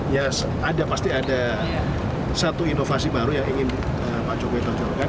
ya ada pasti ada satu inovasi baru yang ingin pak jokowi tonjolkan